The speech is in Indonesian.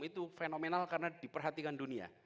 itu fenomenal karena diperhatikan dunia